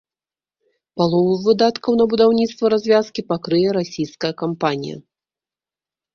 Палову выдаткаў на будаўніцтва развязкі пакрые расійская кампанія.